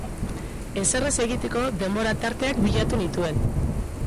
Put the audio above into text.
Ezer ez egiteko denbora tarteak bilatu nituen.